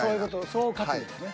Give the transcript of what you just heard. そう書くんですね。